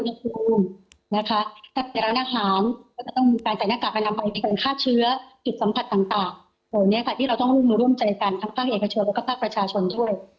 นี่ค่ะที่เราต้องร่วมใจกันทั้งภาคเอกเชื้อและภาคประชาชนด้วย